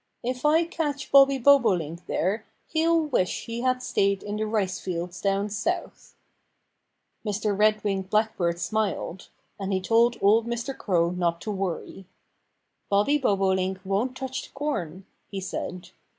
If I catch Bobby Bobolink there he'll wish he had stayed in the rice fields, down South." Mr. Red winged Blackbird smiled. And he told old Mr. Crow not to worry. "Bobby Bobolink won't touch the corn," he said.